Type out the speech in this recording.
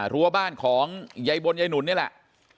รั้วบ้านของยายบนยายหนุนนี่แหละ